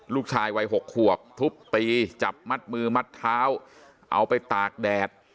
ลูกชายวัย๖ขวบทุบตีจับมัดมือมัดเท้าเอาไปตากแดด